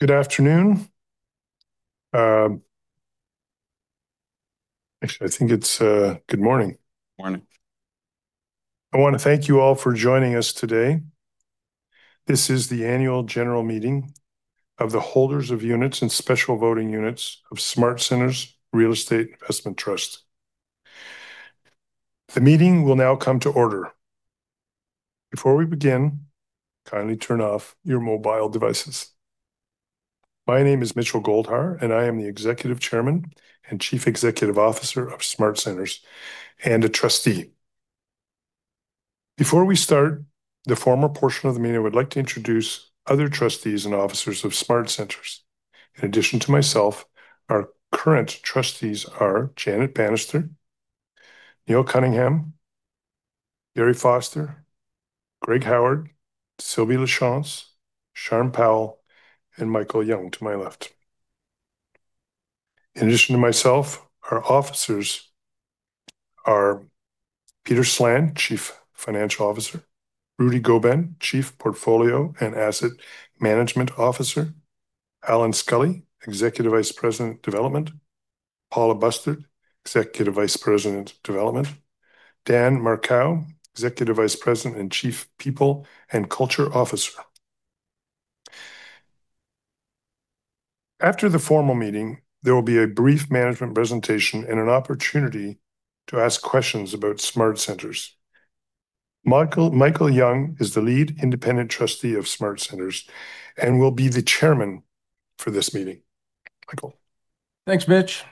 Good afternoon. Actually, I think it's good morning. Morning. I wanna thank you all for joining us today. This is the annual general meeting of the holders of units and special voting units of SmartCentres Real Estate Investment Trust. The meeting will now come to order. Before we begin, kindly turn off your mobile devices. My name is Mitchell Goldhar, and I am the Executive Chairman and Chief Executive Officer of SmartCentres and a trustee. Before we start the formal portion of the meeting, I would like to introduce other trustees and officers of SmartCentres. In addition to myself, our current trustees are Janet Bannister, Neil Cunningham, Garry Foster, Gregory Howard, Sylvie Lachance, Sharm Powell, and Michael Young to my left. In addition to myself, our officers are Peter Slan, Chief Financial Officer, Rudy Gobin, Chief Portfolio and Asset Management Officer, Allan Scully, Executive Vice President, Development, Paula Bustard, Executive Vice President, Development, Dan Markou, Executive Vice President and Chief People and Culture Officer. After the formal meeting, there will be a brief management presentation and an opportunity to ask questions about SmartCentres. Michael Young is the Lead Independent Trustee of SmartCentres and will be the Chairman for this meeting. Michael. Thanks, Mitch.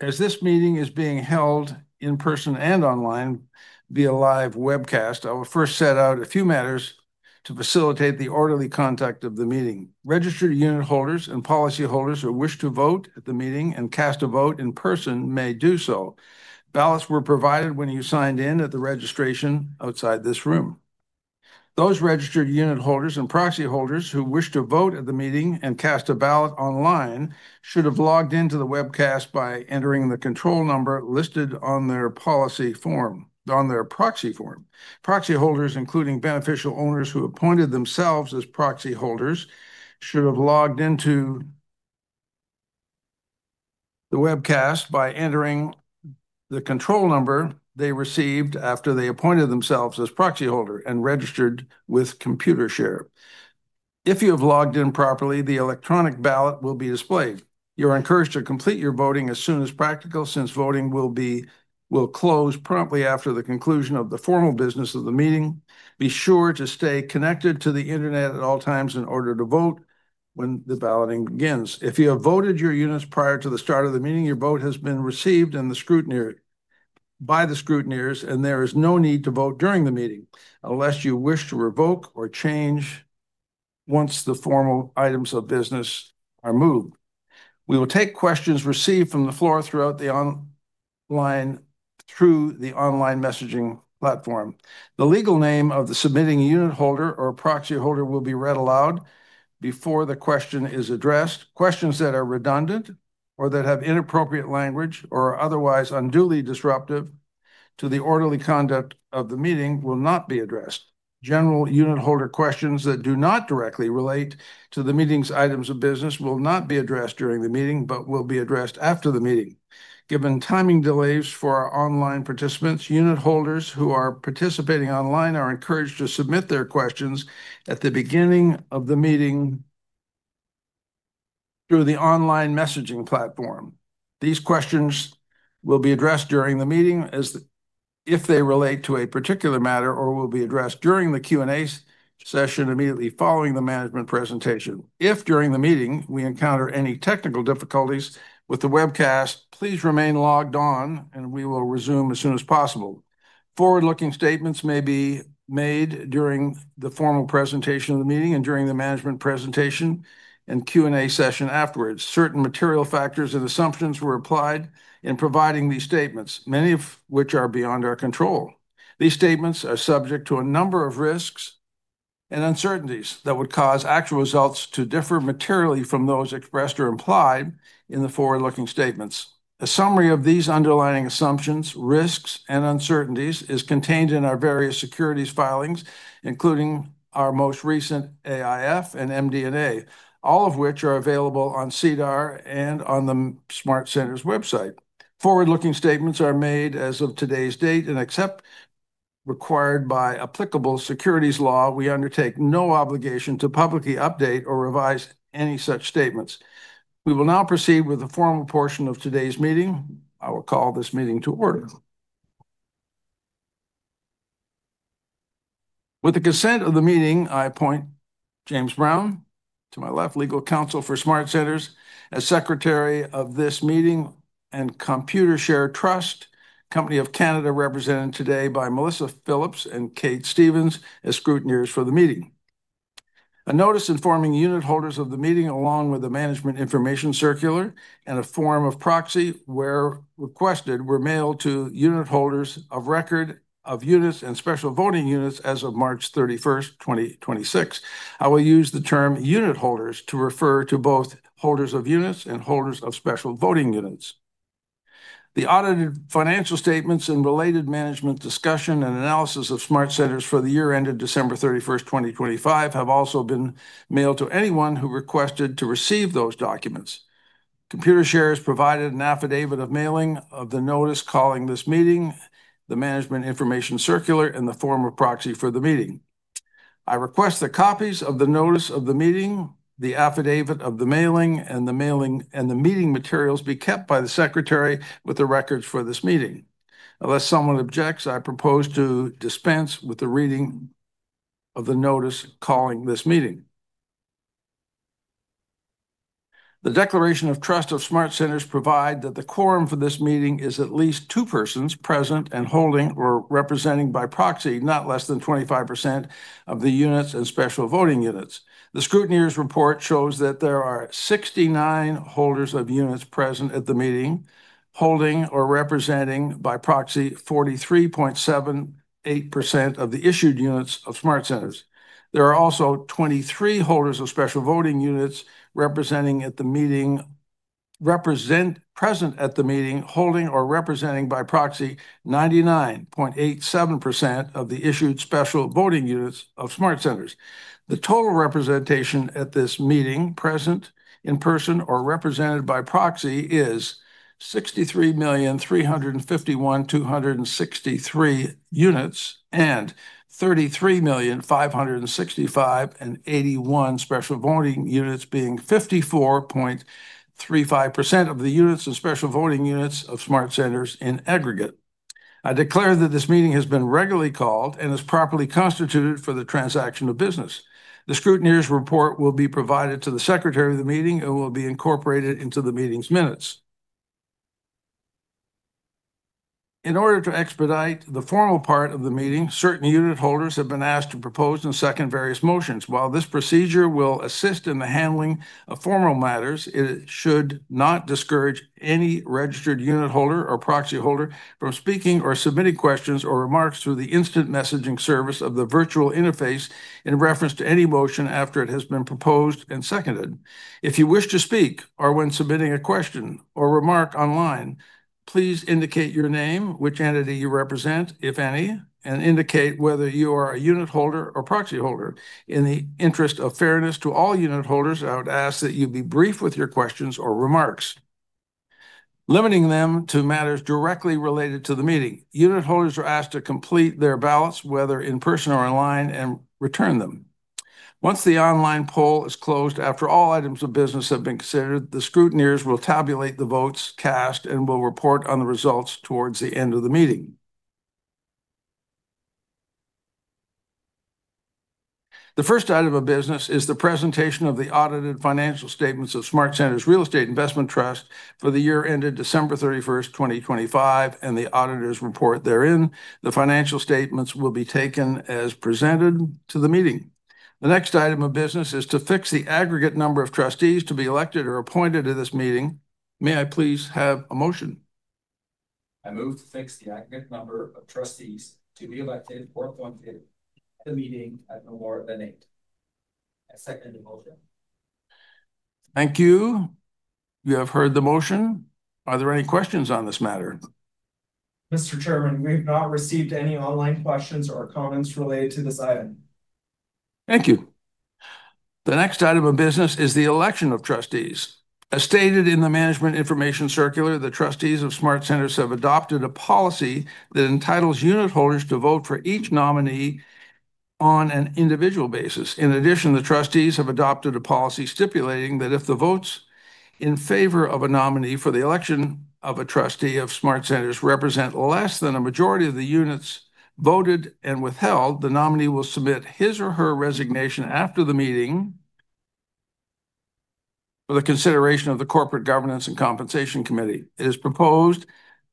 As this meeting is being held in person and online via live webcast, I will first set out a few matters to facilitate the orderly conduct of the meeting. Registered unitholders and policyholders who wish to vote at the meeting and cast a vote in person may do so. Ballots were provided when you signed in at the registration outside this room. Those registered unitholders and proxy holders who wish to vote at the meeting and cast a ballot online should have logged into the webcast by entering the control number listed on their policy form, on their proxy form. Proxy holders, including beneficial owners who appointed themselves as proxy holders, should have logged into the webcast by entering the control number they received after they appointed themselves as proxy holder and registered with Computershare. If you have logged in properly, the electronic ballot will be displayed. You're encouraged to complete your voting as soon as practical since voting will close promptly after the conclusion of the formal business of the meeting. Be sure to stay connected to the internet at all times in order to vote when the balloting begins. If you have voted your units prior to the start of the meeting, your vote has been received by the scrutineers, and there is no need to vote during the meeting unless you wish to revoke or change once the formal items of business are moved. We will take questions received from the floor through the online messaging platform. The legal name of the submitting unitholder or proxy holder will be read aloud before the question is addressed. Questions that are redundant or that have inappropriate language or are otherwise unduly disruptive to the orderly conduct of the meeting will not be addressed. General unitholder questions that do not directly relate to the meeting's items of business will not be addressed during the meeting but will be addressed after the meeting. Given timing delays for our online participants, unitholders who are participating online are encouraged to submit their questions at the beginning of the meeting through the online messaging platform. These questions will be addressed during the meeting as, if they relate to a particular matter or will be addressed during the Q&A session immediately following the management presentation. If during the meeting we encounter any technical difficulties with the webcast, please remain logged on and we will resume as soon as possible. Forward-looking statements may be made during the formal presentation of the meeting and during the management presentation and Q&A session afterwards. Certain material factors and assumptions were applied in providing these statements, many of which are beyond our control. These statements are subject to a number of risks and uncertainties that would cause actual results to differ materially from those expressed or implied in the forward-looking statements. A summary of these underlying assumptions, risks, and uncertainties is contained in our various securities filings, including our most recent AIF and MD&A, all of which are available on SEDAR and on the SmartCentres website. Forward-looking statements are made as of today's date, except required by applicable securities law, we undertake no obligation to publicly update or revise any such statements. We will now proceed with the formal portion of today's meeting. I will call this meeting to order. With the consent of the meeting, I appoint James Brown, to my left, legal counsel for SmartCentres as secretary of this meeting and Computershare Trust Company of Canada, represented today by Melissa Phillips and Kate Stevens as scrutineers for the meeting. A notice informing unitholders of the meeting along with the management information circular and a form of proxy where requested were mailed to unitholders of record of units and special voting units as of March 31st, 2026. I will use the term unitholders to refer to both holders of units and holders of special voting units. The audited financial statements and related management discussion and analysis of SmartCentres for the year ended December 31st, 2025 have also been mailed to anyone who requested to receive those documents. Computershare has provided an affidavit of mailing of the notice calling this meeting, the management information circular in the form of proxy for the meeting. I request that copies of the notice of the meeting, the affidavit of mailing, and the meeting materials be kept by the secretary with the records for this meeting. Unless someone objects, I propose to dispense with the reading of the notice calling this meeting. The declaration of trust of SmartCentres provide that the quorum for this meeting is at least two persons present and holding or representing by proxy not less than 25% of the units and special voting units. The scrutineers report shows that there are 69 holders of units present at the meeting, holding or representing by proxy 43.78% of the issued units of SmartCentres. There are also 23 holders of special voting units present at the meeting holding or representing by proxy 99.87% of the issued special voting units of SmartCentres. The total representation at this meeting present in person or represented by proxy is 63,351,263 units and 33,565,081 special voting units, being 54.35% of the units of special voting units of SmartCentres in aggregate. I declare that this meeting has been regularly called and is properly constituted for the transaction of business. The scrutineers report will be provided to the secretary of the meeting and will be incorporated into the meeting's minutes. In order to expedite the formal part of the meeting, certain unit holders have been asked to propose and second various motions. While this procedure will assist in the handling of formal matters, it should not discourage any registered unit holder or proxy holder from speaking or submitting questions or remarks through the instant messaging service of the virtual interface in reference to any motion after it has been proposed and seconded. If you wish to speak or when submitting a question or remark online, please indicate your name, which entity you represent, if any, and indicate whether you are a unit holder or proxy holder. In the interest of fairness to all unit holders, I would ask that you be brief with your questions or remarks, limiting them to matters directly related to the meeting. Unit holders are asked to complete their ballots, whether in person or online, and return them. Once the online poll is closed, after all items of business have been considered, the scrutineers will tabulate the votes cast and will report on the results towards the end of the meeting. The first item of business is the presentation of the audited financial statements of SmartCentres Real Estate Investment Trust for the year ended December 31st, 2025, and the auditor's report therein. The financial statements will be taken as presented to the meeting. The next item of business is to fix the aggregate number of trustees to be elected or appointed at this meeting. May I please have a motion? I move to fix the aggregate number of trustees to be elected or appointed at the meeting at no more than eight. I second the motion. Thank you. You have heard the motion. Are there any questions on this matter? Mr. Chairman, we've not received any online questions or comments related to this item. Thank you. The next item of business is the election of trustees. As stated in the management information circular, the trustees of SmartCentres have adopted a policy that entitles unit holders to vote for each nominee on an individual basis. In addition, the trustees have adopted a policy stipulating that if the votes in favor of a nominee for the election of a trustee of SmartCentres represent less than a majority of the units voted and withheld, the nominee will submit his or her resignation after the meeting for the consideration of the Corporate Governance and Compensation Committee. It is proposed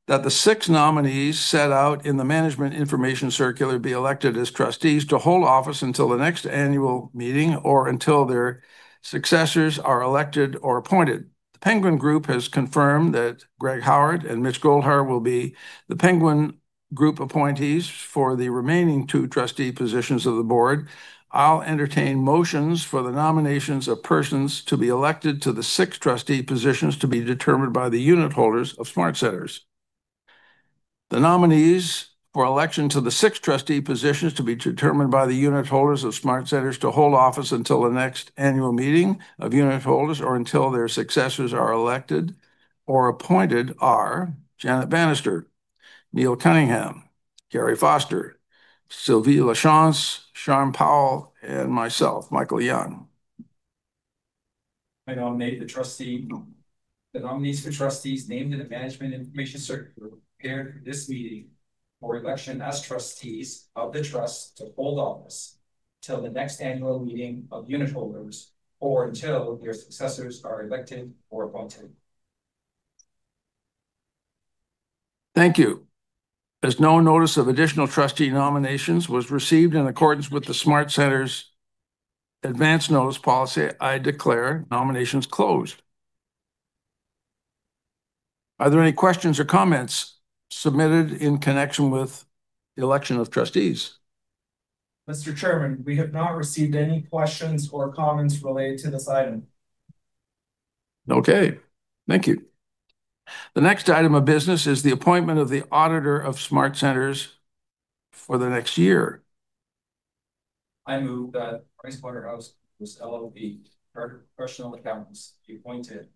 that the six nominees set out in the management information circular be elected as trustees to hold office until the next annual meeting or until their successors are elected or appointed. The Penguin Group has confirmed that Gregory Howard and Mitchell Goldhar will be the Penguin Group appointees for the remaining two trustee positions of the board. I'll entertain motions for the nominations of persons to be elected to the six trustee positions to be determined by the unit holders of SmartCentres. The nominees for election to the six trustee positions to be determined by the unit holders of SmartCentres to hold office until the next annual meeting of unit holders or until their successors are elected or appointed are Janet Bannister, Neil Cunningham, Garry Foster, Sylvie Lachance, Sharm Powell, and myself, Michael Young. I nominate the trustee, the nominees for trustees named in the management information circular prepared for this meeting for election as trustees of the trust to hold office till the next annual meeting of unit holders or until their successors are elected or appointed. Thank you. As no notice of additional trustee nominations was received in accordance with the SmartCentres advance notice policy, I declare nominations closed. Are there any questions or comments submitted in connection with the election of trustees? Mr. Chairman, we have not received any questions or comments related to this item. Okay. Thank you. The next item of business is the appointment of the auditor of SmartCentres for the next year. I move that PricewaterhouseCoopers LLP, our professional accountants, be appointed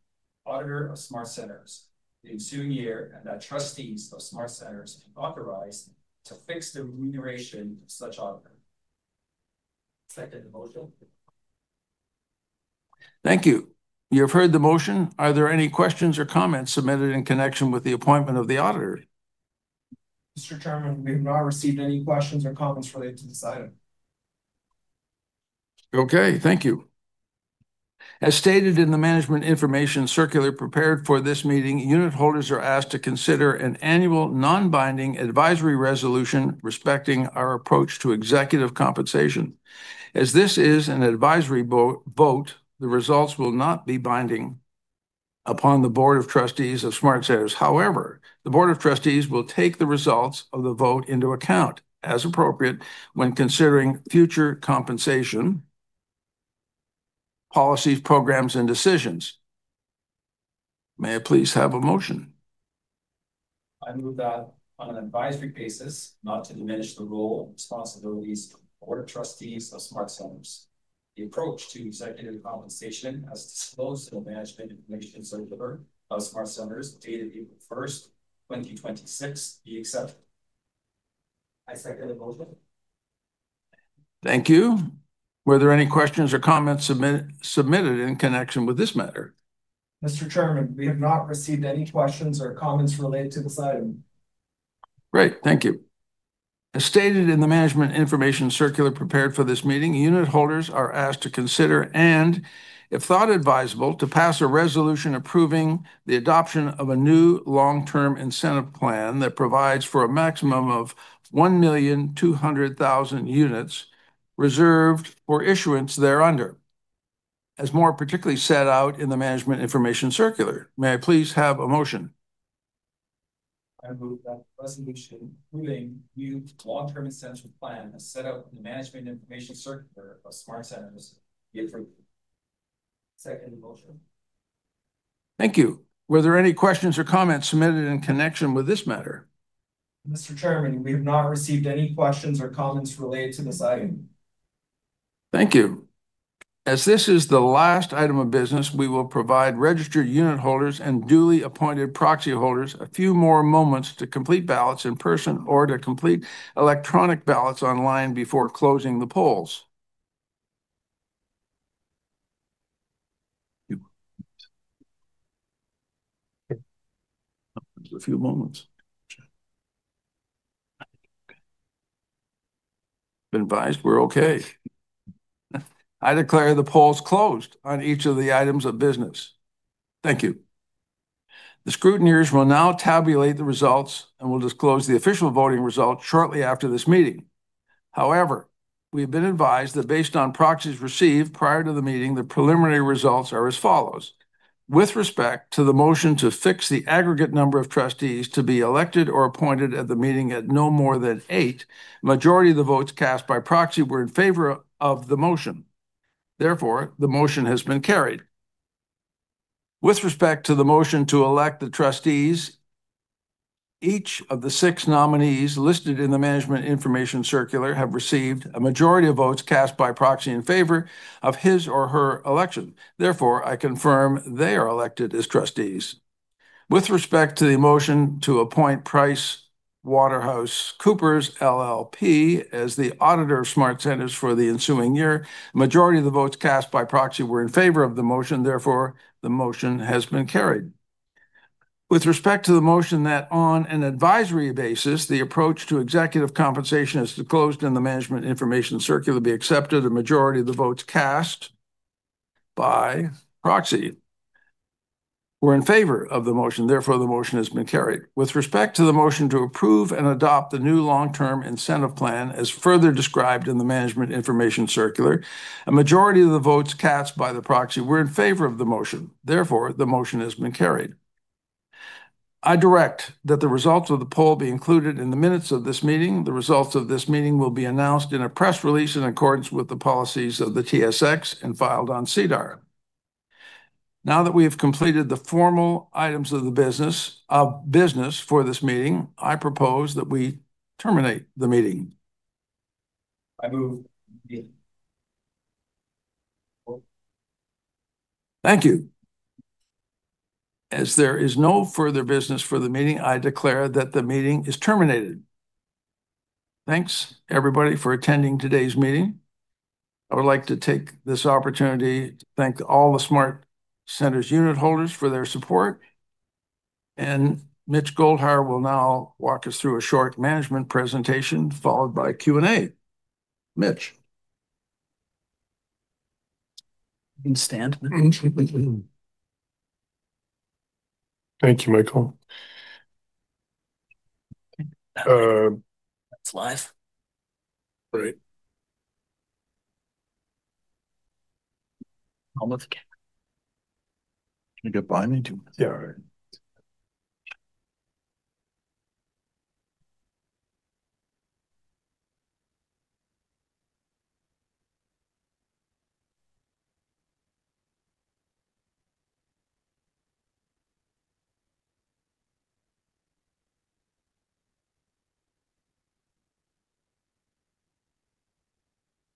auditor of SmartCentres the ensuing year, and that trustees of SmartCentres be authorized to fix the remuneration of such auditor. Second the motion. Thank you. You have heard the motion. Are there any questions or comments submitted in connection with the appointment of the auditor? Mr. Chairman, we have not received any questions or comments related to this item. Okay. Thank you. As stated in the Management Information Circular prepared for this meeting, unitholders are asked to consider an annual non-binding advisory resolution respecting our approach to executive compensation. This is an advisory vote, the results will not be binding upon the Board of Trustees of SmartCentres. The Board of Trustees will take the results of the vote into account as appropriate when considering future compensation, policies, programs, and decisions. May I please have a motion? I move that on an advisory basis, not to diminish the role and responsibilities of Board of Trustees of SmartCentres, the approach to executive compensation, as disclosed in the Management Information Circular of SmartCentres, dated April 1st, 2026, be accepted. I second the motion. Thank you. Were there any questions or comments submitted in connection with this matter? Mr. Chairman, we have not received any questions or comments related to this item. Great. Thank you. As stated in the Management Information Circular prepared for this meeting, unitholders are asked to consider, and if thought advisable, to pass a resolution approving the adoption of a new long-term incentive plan that provides for a maximum of 1,200,000 units reserved for issuance thereunder, as more particularly set out in the Management Information Circular. May I please have a motion? I move that the resolution approving new long-term incentive plan, as set out in the Management Information Circular of SmartCentres, be approved. Second the motion. Thank you. Were there any questions or comments submitted in connection with this matter? Mr. Chairman, we have not received any questions or comments related to this item. Thank you. As this is the last item of business, we will provide registered unitholders and duly appointed proxy holders a few more moments to complete ballots in person or to complete electronic ballots online before closing the polls. A few moments. We've been advised we're okay. I declare the polls closed on each of the items of business. Thank you. The scrutineers will now tabulate the results and will disclose the official voting results shortly after this meeting. We have been advised that based on proxies received prior to the meeting, the preliminary results are as follows. With respect to the motion to fix the aggregate number of trustees to be elected or appointed at the meeting at no more than eight, majority of the votes cast by proxy were in favor of the motion. The motion has been carried. With respect to the motion to elect the trustees, each of the six nominees listed in the Management Information Circular have received a majority of votes cast by proxy in favor of his or her election. Therefore, I confirm they are elected as trustees. With respect to the motion to appoint PricewaterhouseCoopers LLP as the auditor of SmartCentres for the ensuing year, a majority of the votes cast by proxy were in favor of the motion. Therefore, the motion has been carried. With respect to the motion that on an advisory basis, the approach to executive compensation, as disclosed in the Management Information Circular, be accepted, a majority of the votes cast by proxy were in favor of the motion. Therefore, the motion has been carried. With respect to the motion to approve and adopt the new long-term incentive plan, as further described in the Management Information Circular, a majority of the votes cast by the proxy were in favor of the motion. Therefore, the motion has been carried. I direct that the results of the poll be included in the minutes of this meeting. The results of this meeting will be announced in a press release in accordance with the policies of the TSX and filed on SEDAR. We have completed the formal items of the business for this meeting, I propose that we terminate the meeting. I moved. Thank you. As there is no further business for the meeting, I declare that the meeting is terminated. Thanks everybody for attending today's meeting. I would like to take this opportunity to thank all the SmartCentres unitholders for their support. Mitch Goldhar will now walk us through a short management presentation, followed by a Q&A. Mitch? You can stand, Mitch. Thank you, Michael. It's live. Great Almost. You got binding to-.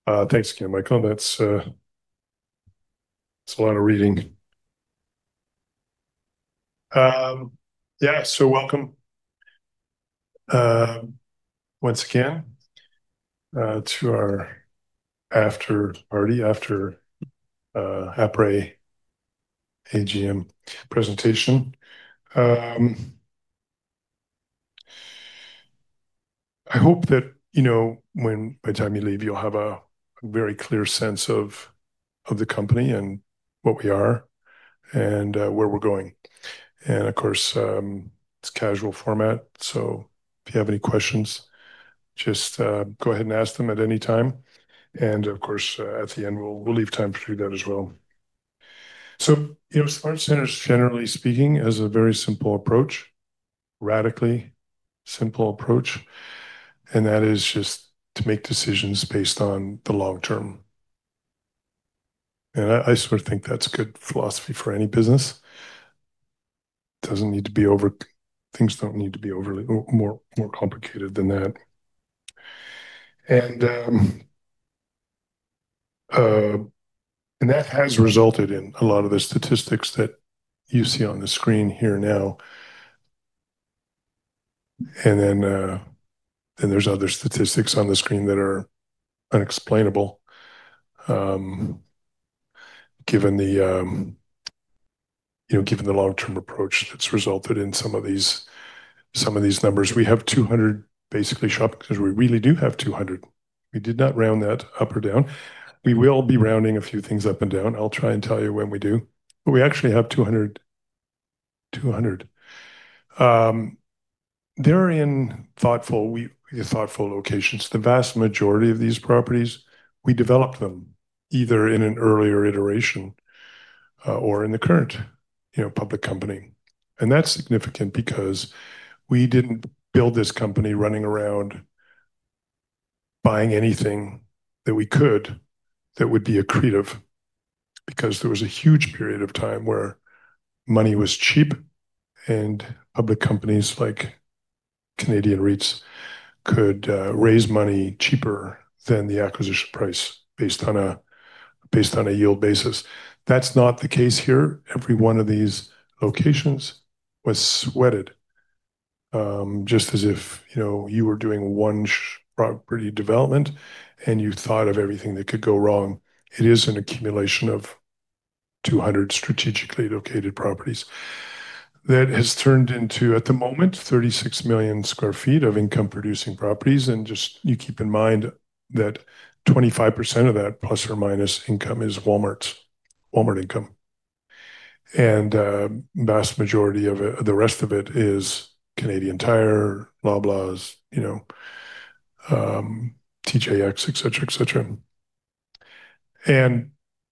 Yeah. Thanks again, Michael Young. That's a lot of reading. Welcome once again to our after party, after après AGM presentation. I hope that, you know, by the time you leave, you'll have a very clear sense of the company and what we are and where we're going. Of course, it's casual format, so if you have any questions, just go ahead and ask them at any time. Of course, at the end, we'll leave time to do that as well. You know, SmartCentres, generally speaking, has a very simple approach, radically simple approach, and that is just to make decisions based on the long term. I sort of think that's a good philosophy for any business. Things don't need to be or more complicated than that. That has resulted in a lot of the statistics that you see on the screen here now. Then there's other statistics on the screen that are unexplainable, given the, you know, given the long-term approach that's resulted in some of these numbers. We have 200 basically shop, 'cause we really do have 200. We did not round that up or down. We will be rounding a few things up and down. I'll try and tell you when we do. We actually have 200. They're in thoughtful locations. The vast majority of these properties, we developed them either in an earlier iteration, or in the current, you know, public company. That's significant because we didn't build this company running around buying anything that we could that would be accretive, because there was a huge period of time where money was cheap and public companies like Canadian REITs could raise money cheaper than the acquisition price based on a, based on a yield basis. That's not the case here. Every one of these locations was sweated, just as if, you know, you were doing one property development and you thought of everything that could go wrong. It is an accumulation of 200 strategically located properties that has turned into, at the moment, 36 million sq ft of income-producing properties and just keep in mind that 25%± of that income is Walmart's, Walmart's income. The rest of it is Canadian Tire, Loblaws, you know, TJX, et cetera, et cetera.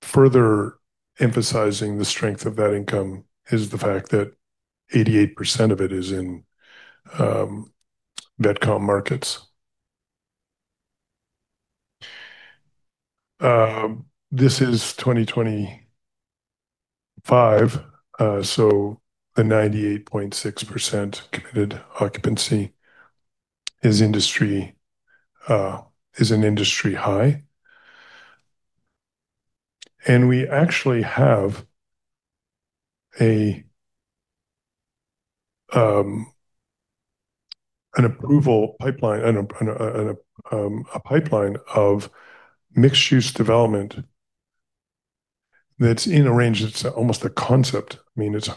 Further emphasizing the strength of that income is the fact that 88% of it is in VECTOM markets. This is 2025, the 98.6% committed occupancy is industry, is an industry high. We actually have an approval pipeline, a pipeline of mixed-use development that's in a range that's almost a concept. I mean, it's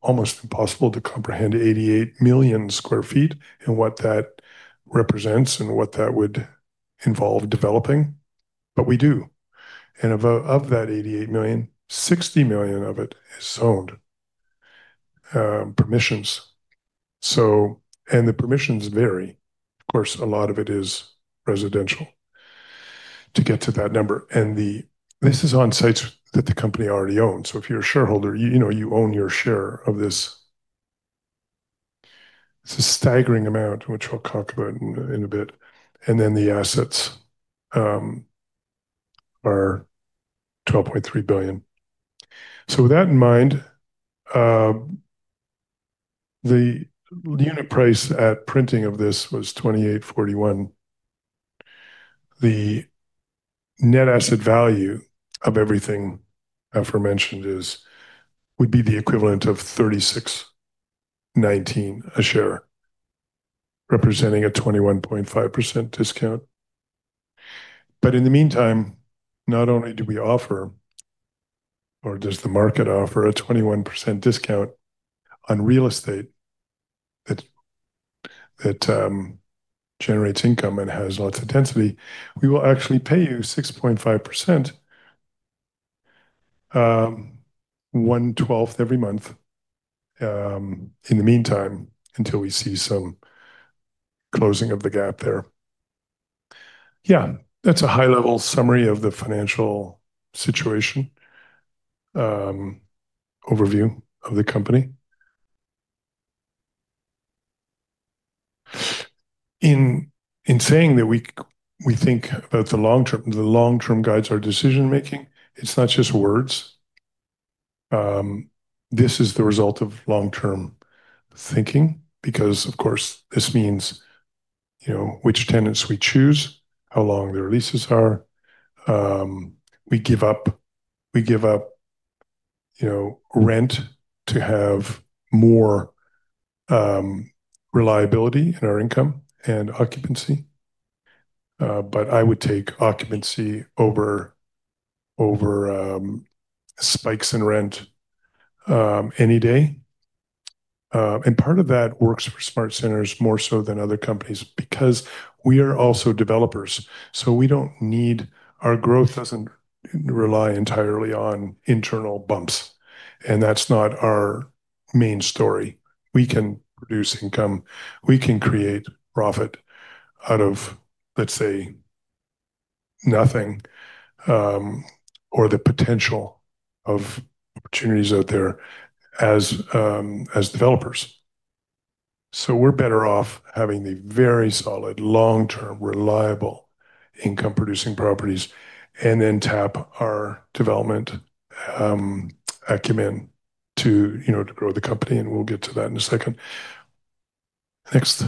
almost impossible to comprehend 88 million sq ft and what that represents and what that would involve developing, but we do. Of that 88 million, 60 million of it is zoned permissions. The permissions vary. Of course, a lot of it is residential to get to that number. This is on sites that the company already owns. If you're a shareholder, you know, you own your share of this. It's a staggering amount, which I'll talk about in a bit. The assets are 12.3 billion. With that in mind, the unit price at printing of this was 28.41. The net asset value of everything aforementioned would be the equivalent of 36.19 a share, representing a 21.5% discount. In the meantime, not only do we offer or does the market offer a 21% discount on real estate that generates income and has lots of density, we will actually pay you 6.5%, 1/12 every month, in the meantime, until we see some closing of the gap there. That's a high-level summary of the financial situation, overview of the company. In saying that we think about the long term, the long term guides our decision-making, it's not just words. This is the result of long-term thinking because, of course, this means, you know, which tenants we choose, how long their leases are. We give up, you know, rent to have more reliability in our income and occupancy. I would take occupancy over spikes in rent any day. Part of that works for SmartCentres more so than other companies because we are also developers, so our growth doesn't rely entirely on internal bumps, and that's not our main story. We can produce income. We can create profit out of, let's say, nothing, or the potential of opportunities out there as developers. We're better off having the very solid long-term, reliable income-producing properties and then tap our development acumen to, you know, to grow the company, and we'll get to that in a second. Next.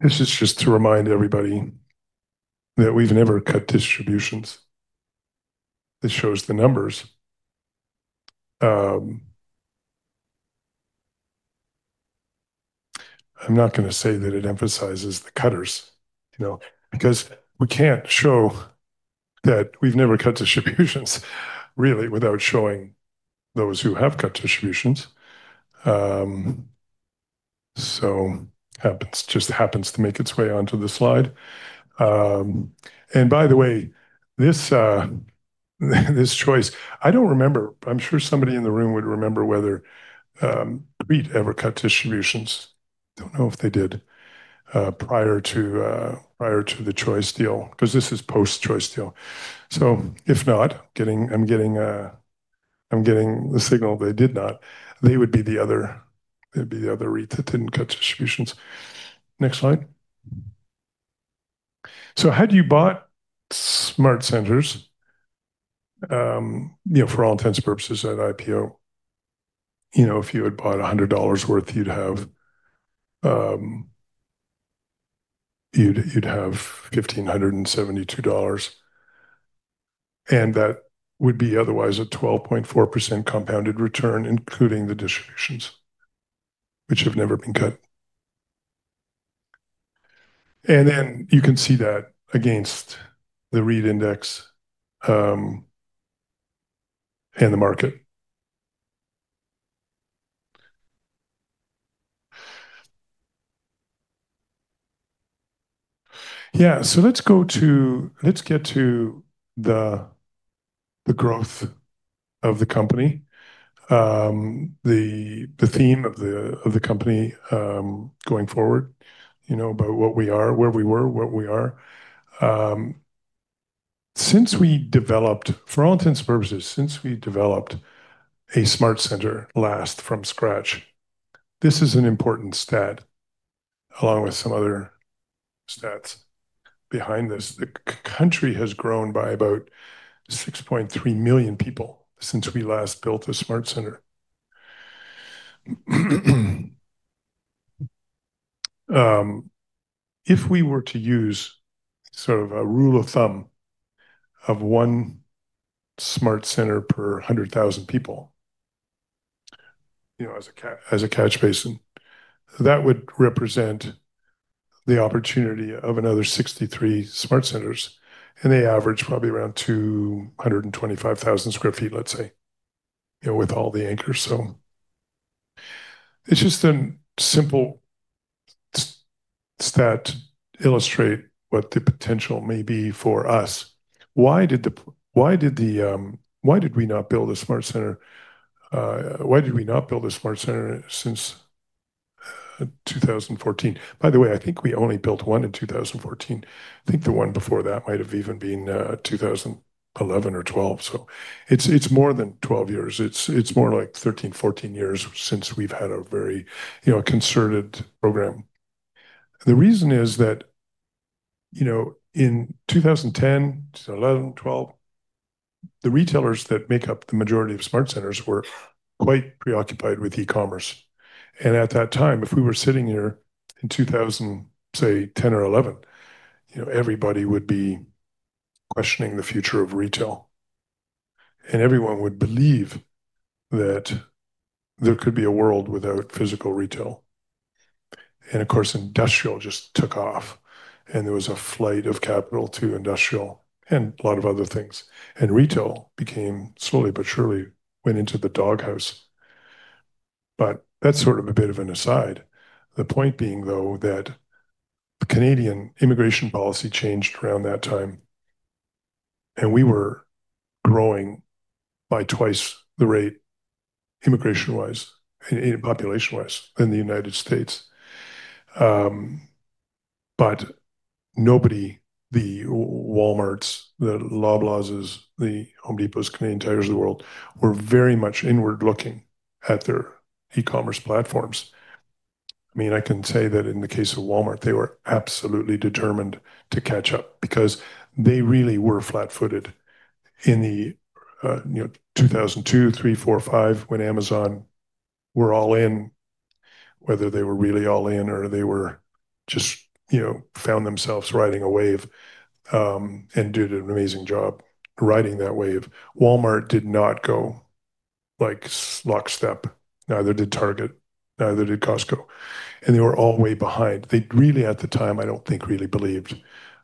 This is just to remind everybody that we've never cut distributions. This shows the numbers. I'm not gonna say that it emphasizes the cutters, you know, because we can't show that we've never cut distributions really without showing those who have cut distributions. Happens, just happens to make its way onto the slide. By the way, this Choice— I don't remember. I'm sure somebody in the room would remember whether the REIT ever cut distributions. Don't know if they did, prior to, prior to the Choice deal because this is post-Choice deal. If not, I'm getting the signal they did not. They would be the other, they'd be the other REIT that didn't cut distributions. Next slide. Had you bought SmartCentres, you know, for all intents and purposes at IPO, you know, if you had bought 100 dollars worth, you'd have 1,572 dollars, and that would be otherwise a 12.4% compounded return, including the distributions, which have never been cut. Then you can see that against the REIT index, and the market. let's get to the growth of the company. The, the theme of the, of the company, going forward, you know, about what we are, where we were, what we are. For all intents and purposes, since we developed a SmartCentre last from scratch, this is an important stat, along with some other stats behind this. The country has grown by about 6.3 million people since we last built a SmartCentre. If we were to use sort of a rule of thumb of one SmartCentre per 100,000 people, you know, as a catch basin, that would represent the opportunity of another 63 SmartCentres, and they average probably around 225,000 sq ft, let's say, you know, with all the anchors. It's just a simple stat to illustrate what the potential may be for us. Why did the, why did we not build a SmartCentre since 2014? By the way, I think we only built one in 2014. I think the one before that might have even been 2011 or 2012. It's more than 12 years. It's more like 13, 14 years since we've had a very, you know, concerted program. The reason is that, you know, in 2010 to 2011, 2012, the retailers that make up the majority of SmartCentres were quite preoccupied with e-commerce. At that time, if we were sitting here in 2000, say, 2010 or 2011, you know, everybody would be questioning the future of retail, and everyone would believe that there could be a world without physical retail. Of course, industrial just took off, and there was a flight of capital to industrial and a lot of other things. Retail became, slowly but surely, went into the doghouse. That's sort of a bit of an aside. The point being, though, that Canadian immigration policy changed around that time. We were growing by twice the rate immigration-wise and population-wise than the U.S.. Nobody, the Walmarts, the Loblaws, The Home Depots, Canadian Tires of the world, were very much inward-looking at their e-commerce platforms. I mean, I can say that in the case of Walmart, they were absolutely determined to catch up because they really were flat-footed in the, you know, 2002, 2003, 2004, 2005 when Amazon were all in. Whether they were really all in or they were just, you know, found themselves riding a wave, did an amazing job riding that wave. Walmart did not go like lockstep. Neither did Target. Neither did Costco. They were all way behind. They really, at the time, I don't think really believed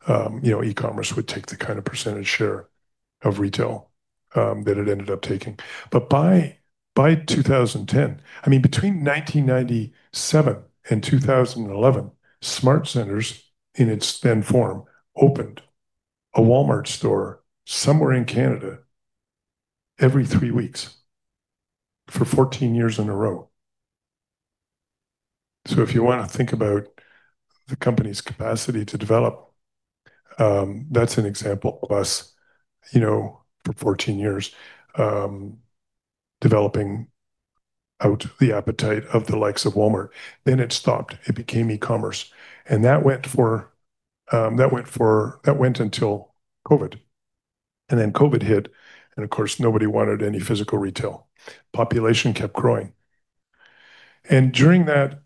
e-commerce would take the kind of % share of retail that it ended up taking. By, by 2010, between 1997 and 2011, SmartCentres, in its then form, opened a Walmart store somewhere in Canada every three weeks for 14 years in a row. If you wanna think about the company's capacity to develop, that's an example. Plus, for 14 years, developing out the appetite of the likes of Walmart. Then it stopped. It became e-commerce. That went until COVID. Then COVID hit, and of course, nobody wanted any physical retail. Population kept growing. During that,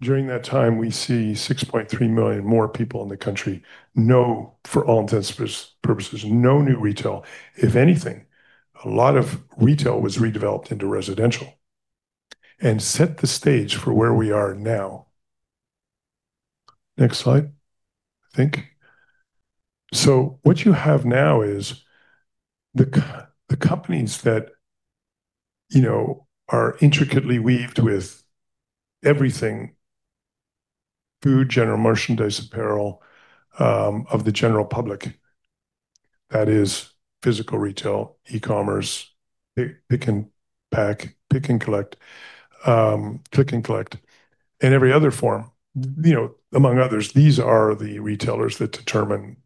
during that time, we see 6.3 million more people in the country. No, for all intents, purposes, no new retail. If anything, a lot of retail was redeveloped into residential and set the stage for where we are now. Next slide, I think. What you have now is the companies that, you know, are intricately weaved with everything, food, general merchandise, apparel, of the general public. That is physical retail, e-commerce, pick and pack, pick and collect, click and collect, and every other form. You know, among others, these are the retailers that determine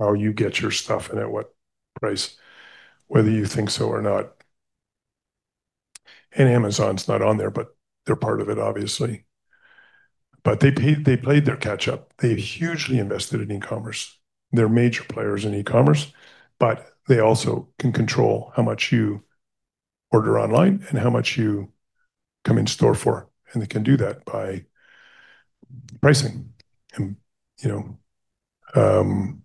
how you get your stuff and at what price, whether you think so or not. Amazon's not on there, but they're part of it, obviously. They played their catch-up. They've hugely invested in e-commerce. They're major players in e-commerce, but they also can control how much you order online and how much you come in store for, and they can do that by pricing. You know, you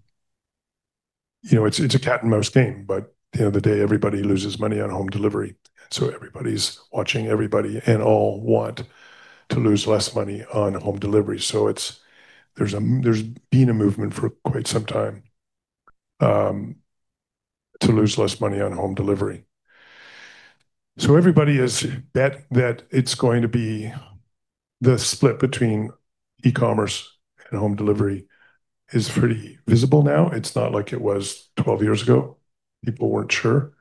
know, it's a cat and mouse game, but at the end of the day, everybody loses money on home delivery, so everybody's watching everybody and all want to lose less money on home delivery. There's been a movement for quite some time to lose less money on home delivery. Everybody has bet that it's going to be the split between e-commerce and home delivery is pretty visible now. It's not like it was 12 years ago. People weren't sure.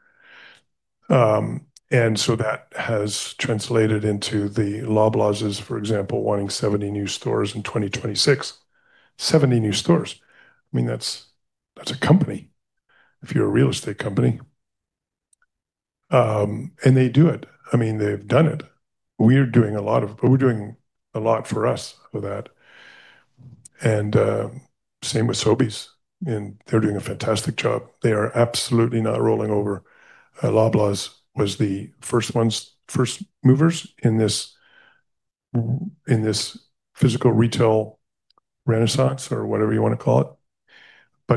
That has translated into the Loblaws, for example, wanting 70 new stores in 2026. 70 new stores. I mean, that's a company if you're a real estate company. They do it. I mean, they've done it. We're doing a lot for us for that. Same with Sobeys, and they're doing a fantastic job. They are absolutely not rolling over. Loblaws was the first movers in this physical retail renaissance or whatever you wanna call it.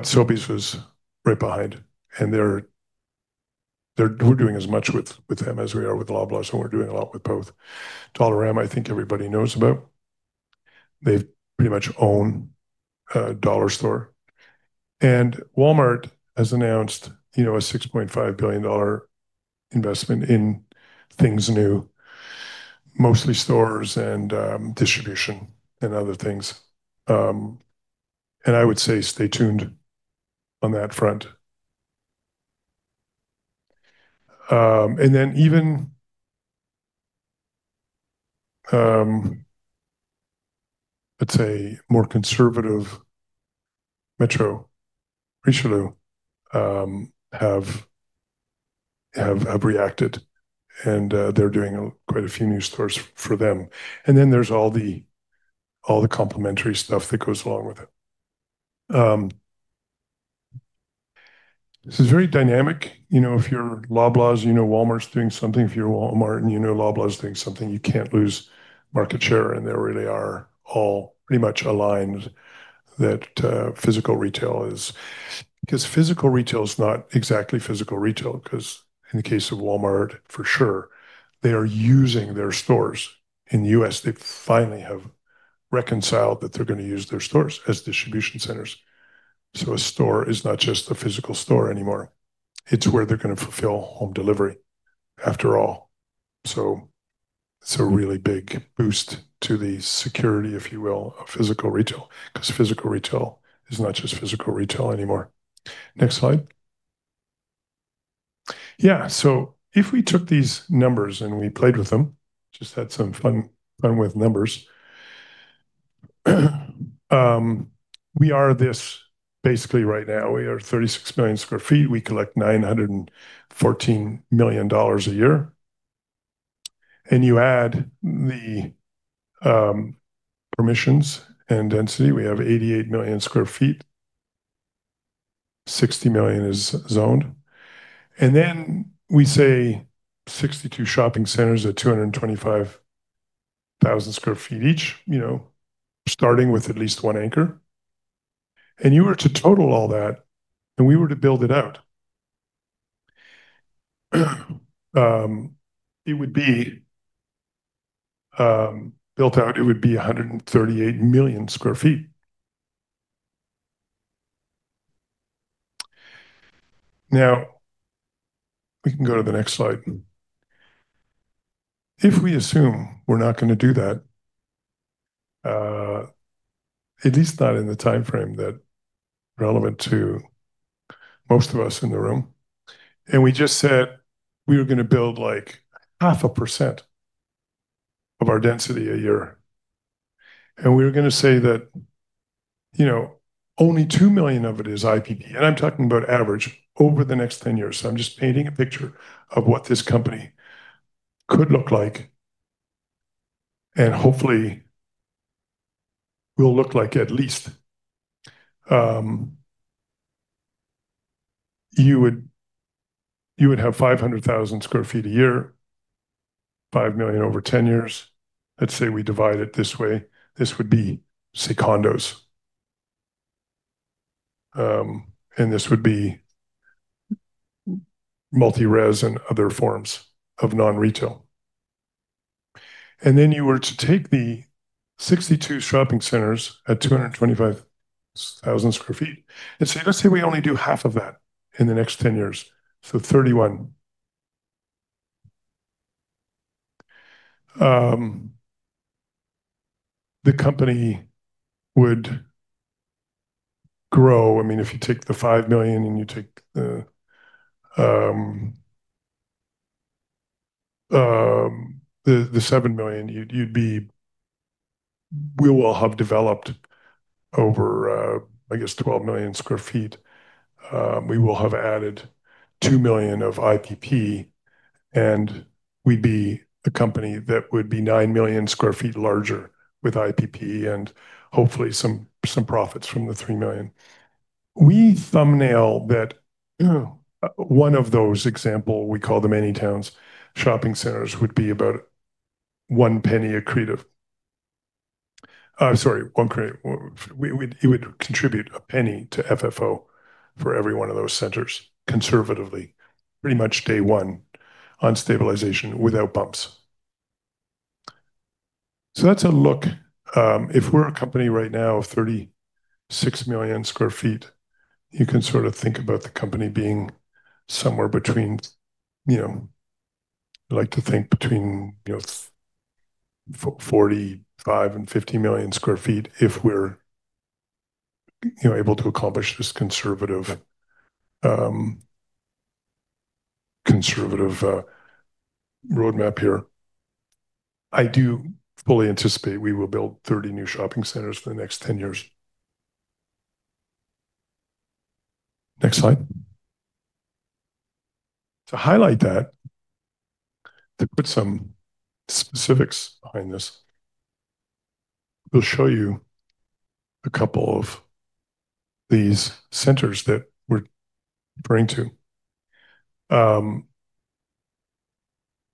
Sobeys was right behind, and they're we're doing as much with them as we are with Loblaws, we're doing a lot with both. Dollarama, I think everybody knows about. They pretty much own a dollar store. Walmart has announced, you know, a 6.5 billion dollar investment in things new, mostly stores and distribution and other things. I would say stay tuned on that front. Then even, let's say more conservative Metro Inc. have reacted, and they're doing quite a few new stores for them. Then there's all the complimentary stuff that goes along with it. This is very dynamic. You know, if you're Loblaw's, you know Walmart's doing something. If you're Walmart and you know Loblaws is doing something, you can't lose market share, and they really are all pretty much aligned that physical retail is not exactly physical retail. In the case of Walmart, for sure, they are using their stores. In the U.S., they finally have reconciled that they're gonna use their stores as distribution centers. A store is not just a physical store anymore. It's where they're gonna fulfill home delivery, after all. It's a really big boost to the security, if you will, of physical retail, 'cause physical retail is not just physical retail anymore. Next slide. If we took these numbers and we played with them, just had some fun with numbers. We are this basically right now. We are 36 million sq ft. We collect 914 million dollars a year. You add the permissions and density, we have 88 million sq ft. 60 million is zoned. We say 62 shopping centers at 225,000 sq ft each, you know, starting with at least one anchor. You were to total all that, and we were to build it out, it would be 138 million sq ft. We can go to the next slide. If we assume we're not gonna do that, at least not in the timeframe that relevant to most of us in the room, we just said we were gonna build, like, 0.5% of our density a year. We're gonna say that, you know, only 2 million of it is IPP. I'm talking about average over the next 10 years. I'm just painting a picture of what this company could look like, and hopefully will look like at least. You would have 500,000 sq ft a year, 5 million over 10 years. Let's say we divide it this way. This would be, say, condos. This would be multi-res and other forms of non-retail. Then you were to take the 62 shopping centers at 225,000 sq ft. We only do half of that in the next 10 years, so 31. The company would grow. I mean, if you take the 5 million and you take the 7 million, we will have developed over 12 million sq ft. We will have added 2 million of IPP, and we'd be a company that would be 9 million sq ft larger with IPP and hopefully some profits from the 3 million. We thumbnail that one of those example we call the mini-town shopping centers would be about 0.01 accretive. Sorry, it would contribute CAD 0.01 to FFO for every one of those centers, conservatively, pretty much day one on stabilization without bumps. That's a look. If we're a company right now of 36 million sq ft, you can sort of think about the company being somewhere between I like to think between 45 and 50 million sq ft if we're able to accomplish this conservative conservative roadmap here. I do fully anticipate we will build 30 new shopping centers for the next 10 years. Next slide. To highlight that, to put some specifics behind this, we'll show you a couple of these centers that we're referring to.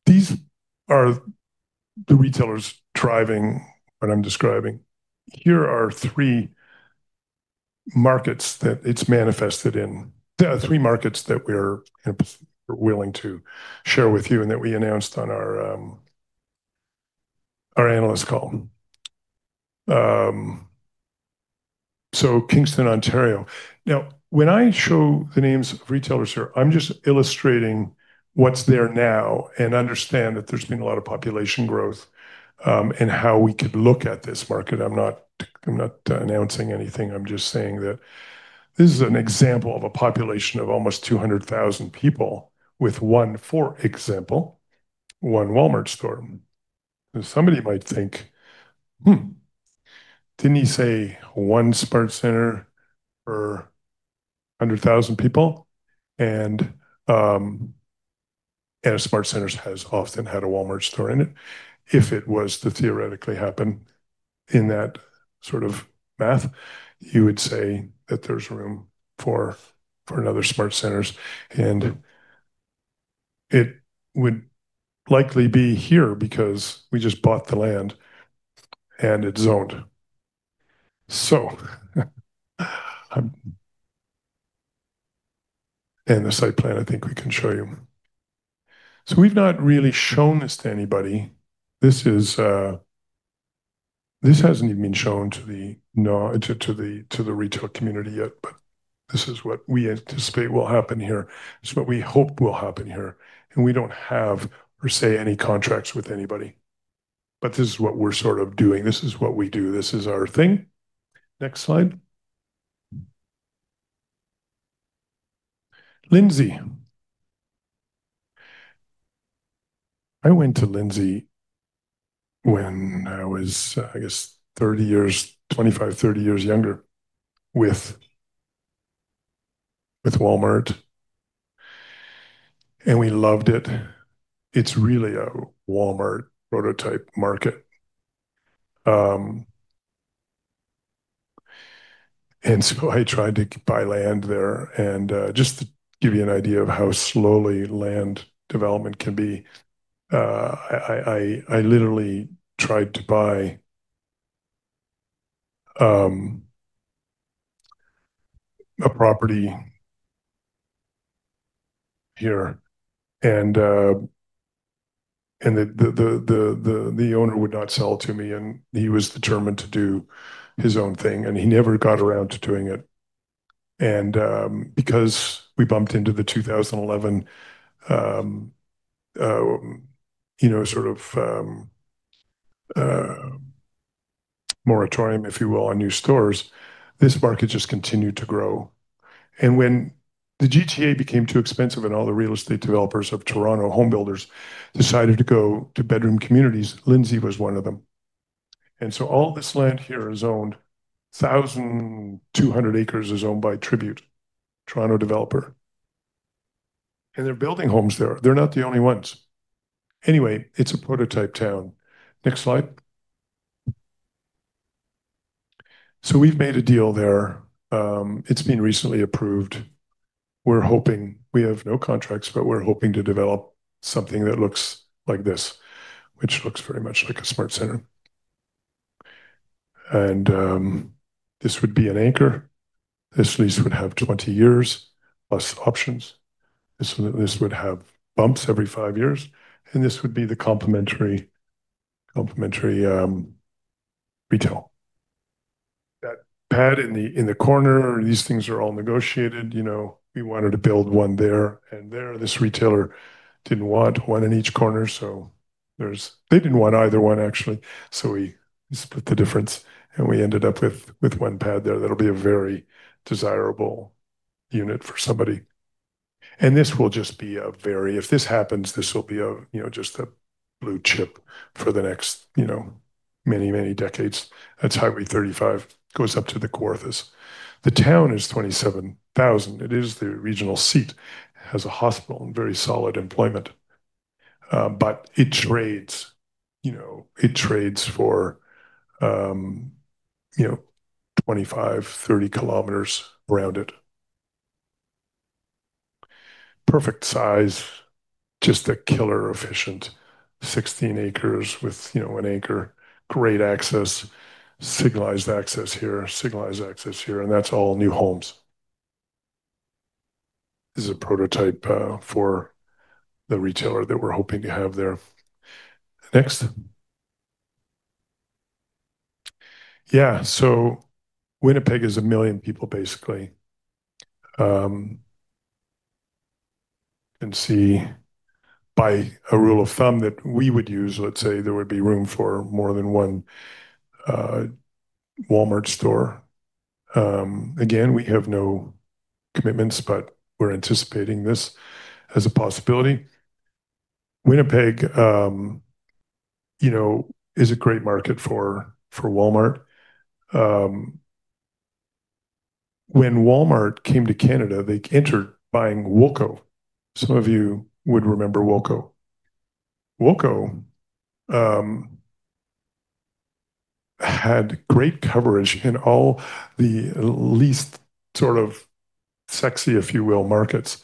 These are the retailers driving what I'm describing. Here are three markets that it's manifested in. There are three markets that we're willing to share with you and that we announced on our analyst call. Kingston, Ontario. When I show the names of retailers here, I'm just illustrating what's there now and understand that there's been a lot of population growth, and how we could look at this market. I'm not, I'm not announcing anything. I'm just saying that this is an example of a population of almost 200,000 people with one, for example, one Walmart store. Somebody might think, "Hmm, didn't he say one SmartCentres per 100,000 people?" A SmartCentres has often had a Walmart store in it. If it was to theoretically happen in that sort of math, you would say that there's room for another SmartCentres, and it would likely be here because we just bought the land and it's zoned. The site plan, I think we can show you. We've not really shown this to anybody. This hasn't even been shown to the retail community yet, but this is what we anticipate will happen here. This is what we hope will happen here. We don't have per se any contracts with anybody, but this is what we're sort of doing. This is what we do. This is our thing. Next slide. Lindsay. I went to Lindsay when I was, I guess 30 years, 25, 30 years younger with Walmart, and we loved it. It's really a Walmart prototype market. I tried to buy land there, just to give you an idea of how slowly land development can be, I literally tried to buy a property here, and the owner would not sell to me, and he was determined to do his own thing, and he never got around to doing it. Because we bumped into the 2011, you know, sort of, moratorium, if you will, on new stores, this market just continued to grow. When the GTA became too expensive and all the real estate developers of Toronto homebuilders decided to go to bedroom communities, Lindsay was one of them. All this land here is owned, 1,200 acres is owned by Tribute, Toronto developer. They're building homes there. They're not the only ones. It's a prototype town. Next slide. We've made a deal there. It's been recently approved. We have no contracts, but we're hoping to develop something that looks like this, which looks very much like a SmartCentres. This would be an anchor. This lease would have 20 years+ options. This would have bumps every five years, and this would be the complementary retail. That pad in the corner, these things are all negotiated. You know, we wanted to build one there and there. This retailer didn't want one in each corner. They didn't want either one, actually. We split the difference, and we ended up with one pad there. That'll be a very desirable unit for somebody. If this happens, this will be a, you know, just a blue chip for the next, you know, many, many decades. That's Highway 35, goes up to the Kawarthas. The town is 27,000. It is the regional seat, has a hospital and very solid employment. It trades, you know, it trades for, you know, 25, 30 kms around it. Perfect size. Just a killer efficient 16 acres with, you know, 1 acre. Great access, signalized access here, signalized access here, and that's all new homes. This is a prototype for the retailer that we're hoping to have there. Next. Winnipeg is 1 million people, basically. By a rule of thumb that we would use, let's say there would be room for more than one Walmart store. Again, we have no commitments, but we're anticipating this as a possibility. Winnipeg, you know, is a great market for Walmart. When Walmart came to Canada, they entered buying Woolco. Some of you would remember Woolco. Woolco had great coverage in all the least sort of sexy, if you will, markets.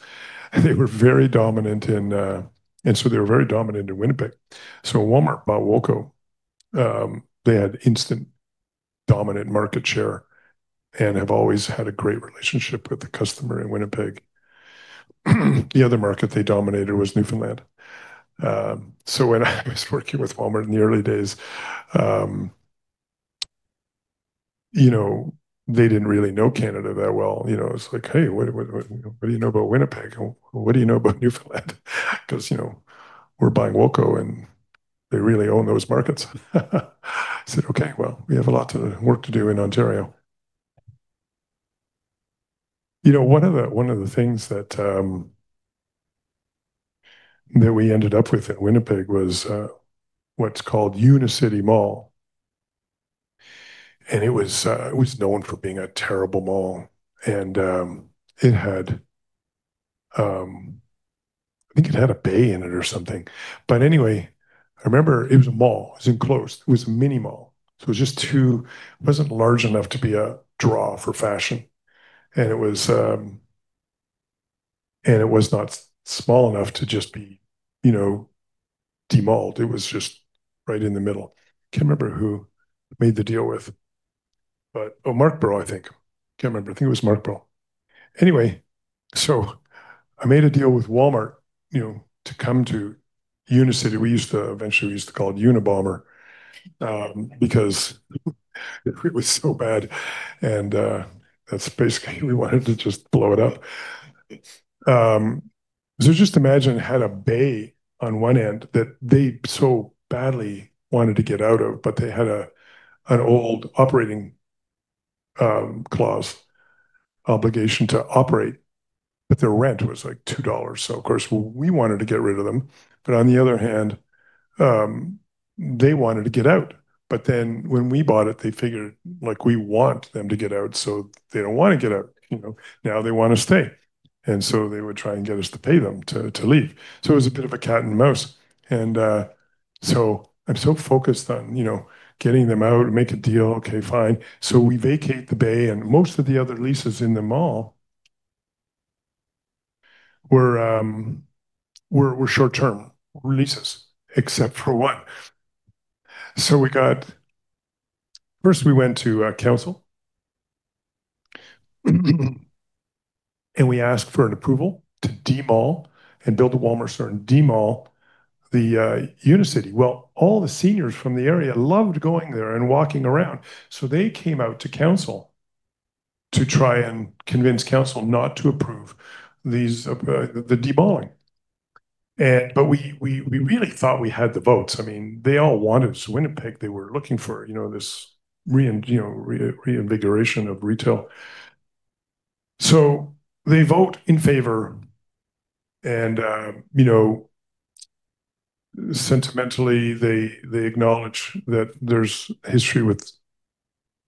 They were very dominant in Winnipeg. When Walmart bought Woolco, they had instant dominant market share and have always had a great relationship with the customer in Winnipeg. The other market they dominated was Newfoundland. When I was working with Walmart in the early days, you know, they didn't really know Canada that well. You know, it's like, "Hey, what do you know about Winnipeg? What do you know about Newfoundland?" 'Cause, you know, we're buying Woolco, and they really own those markets. I said, "Okay, well, we have a lot to work to do in Ontario." You know, one of the, one of the things that we ended up with in Winnipeg was what's called Unicity Mall. It was, it was known for being a terrible mall. It had, I think it had a Bay in it or something. Anyway, I remember it was a mall, it was enclosed, it was a mini mall. It was just too. It wasn't large enough to be a draw for fashion. It was, and it was not small enough to just be, you know, de-malled. It was just right in the middle. I can't remember who we made the deal with. Oh, Markborough, I think. Can't remember. I think it was Markborough. I made a deal with Walmart, you know, to come to Unicity. Eventually, we used to call it Uni Bomber, because it was so bad and that's basically we wanted to just blow it up. Just imagine it had a Bay on one end that they so badly wanted to get out of but they had an old operating clause, obligation to operate, but their rent was, like, 2 dollars. Of course we wanted to get rid of them. On the other hand, they wanted to get out. When we bought it, they figured, like, we want them to get out, so they don't wanna get out. You know, now they wanna stay. They would try and get us to pay them to leave. It was a bit of a cat and mouse. I'm so focused on, you know, getting them out and make a deal. Okay, fine. We vacate the Bay, and most of the other leases in the mall were short-term leases, except for one. First, we went to council. We asked for an approval to de-mall and build a Walmart store and de-mall the Unicity. All the seniors from the area loved going there and walking around. They came out to council to try and convince council not to approve these, the de-malling. We really thought we had the votes. I mean, they all wanted Winnipeg, they were looking for, you know, this reinvigoration of retail. They vote in favor and, you know, sentimentally, they acknowledge that there's history with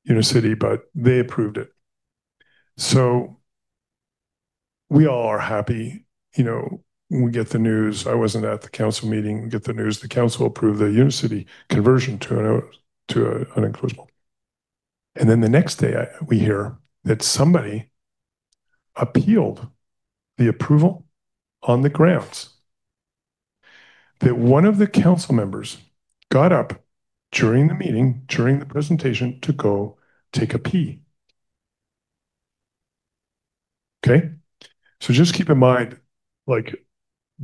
Unicity, but they approved it. We all are happy, you know. We get the news. I wasn't at the council meeting. We get the news. The council approved the Unicity conversion to an enclosed mall. The next day, we hear that somebody appealed the approval on the grounds that one of the council members got up during the meeting, during the presentation to go take a pee. Okay. Just keep in mind, like,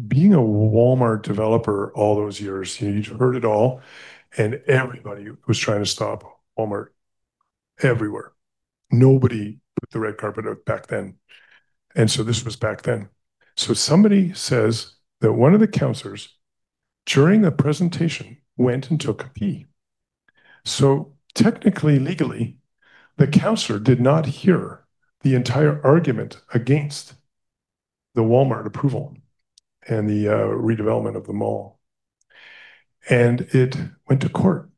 being a Walmart developer all those years, you've heard it all and everybody was trying to stop Walmart everywhere. Nobody put the red carpet out back then. This was back then. Somebody says that one of the councilors during the presentation went and took a pee. Technically, legally, the councilor did not hear the entire argument against the Walmart approval and the redevelopment of the mall. It went to court,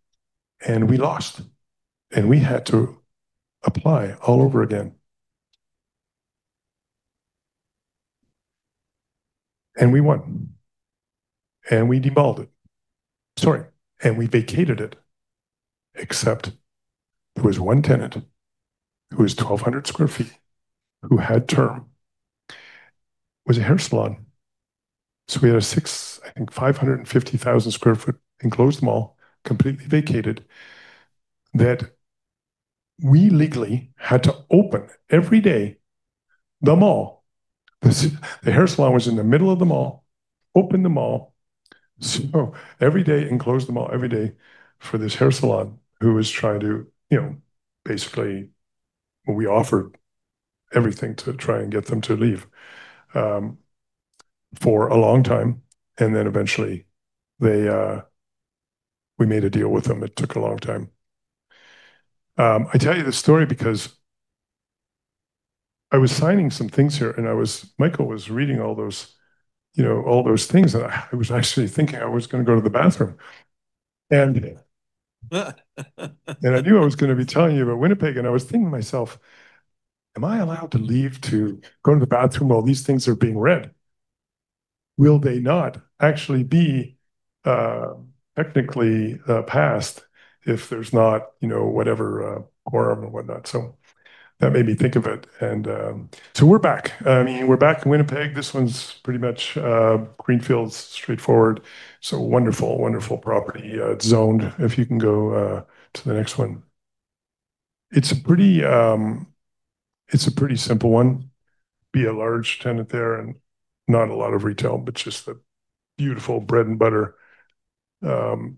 and we lost, and we had to apply all over again. We won. We de-malled it. Sorry, we vacated it, except there was one tenant who was 1,200 sq ft who had term, was a hair salon. We had a 550,000 sq ft enclosed mall completely vacated that we legally had to open every day the mall. The hair salon was in the middle of the mall, open the mall. Every day, and close the mall every day for this hair salon who was trying to, you know, basically, we offered everything to try and get them to leave for a long time. Eventually they, we made a deal with them. It took a long time. I tell you this story because I was signing some things here and Michael was reading all those, you know, all those things, and I was actually thinking I was gonna go to the bathroom. I knew I was gonna be telling you about Winnipeg, and I was thinking to myself, "Am I allowed to leave to go to the bathroom while these things are being read? Will they not actually be, technically, passed if there's not, you know, whatever, quorum or what not? That made me think of it. We're back. I mean, we're back in Winnipeg. This one's pretty much greenfields straightforward. Wonderful, wonderful property. It's zoned. If you can go to the next one. It's a pretty, it's a pretty simple one. Be a large tenant there and not a lot of retail, but just the beautiful bread and butter,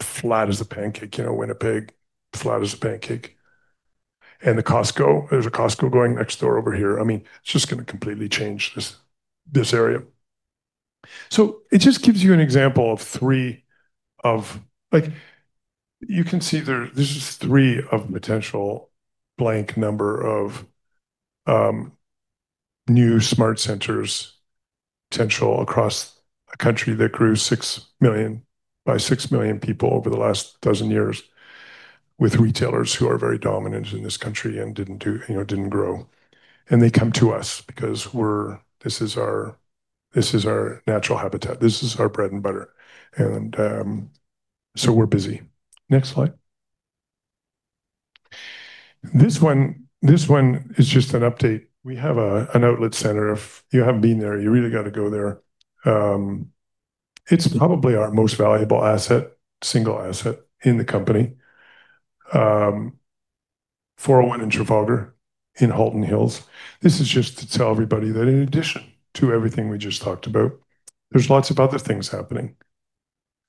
flat as a pancake, you know, Winnipeg, flat as a pancake. The Costco, there's a Costco going next door over here. I mean, it's just gonna completely change this area. It just gives you an example of three of Like, you can see there, this is three of potential blank number of new SmartCentres potential across a country that grew 6 million people over the last 12 years with retailers who are very dominant in this country and didn't do, you know, didn't grow. They come to us because this is our natural habitat. This is our bread and butter and, so we're busy. Next slide. This one is just an update. We have an outlet center. If you haven't been there, you really gotta go there. It's probably our most valuable asset, single asset in the company. Highway 401 in Trafalgar in Halton Hills. This is just to tell everybody that in addition to everything we just talked about, there's lots of other things happening,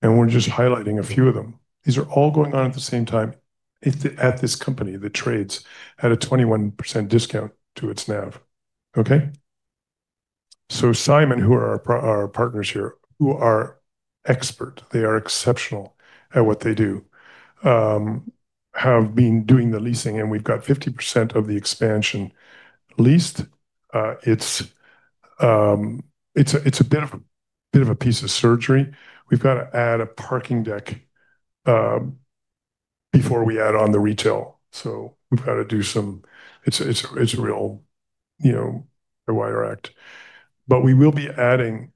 and we're just highlighting a few of them. These are all going on at the same time at this company, the trades at a 21% discount to its NAV. Okay. Simon, who are our partners here, who are expert, they are exceptional at what they do, have been doing the leasing, and we've got 50% of the expansion leased. It's a bit of a piece of surgery. We've gotta add a parking deck before we add on the retail. It's a real, you know, a wire act. We will be adding